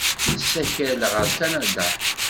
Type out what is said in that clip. Yessakel ɣer Kanada.